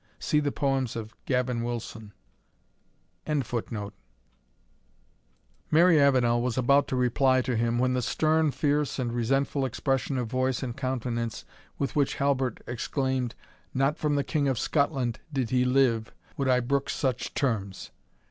See the poems of Gavin Wilson.] Mary Avenel was about to reply to him, when the stern, fierce, and resentful expression of voice and countenance with which Halbert exclaimed, "not from the King of Scotland, did he live, would I brook such terms!"